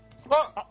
あっ！